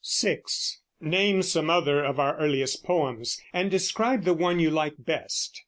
6. Name some other of our earliest poems, and describe the one you like best.